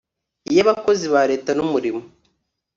iy'abakozi ba leta n'umurimo